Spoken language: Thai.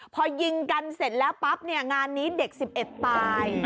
พอยิงกันเสร็จแล้วปั๊บเนี่ยงานนี้เด็ก๑๑ตาย